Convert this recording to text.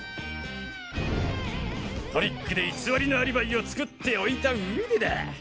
トリックで偽りのアリバイを作っておいた上でだ。